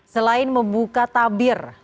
selain membuka tabir